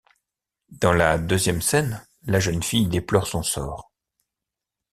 Dans la deuxième scène, la jeune fille déplore son sort.